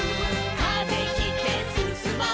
「風切ってすすもう」